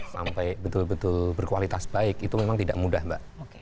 sampai betul betul berkualitas baik itu memang tidak mudah mbak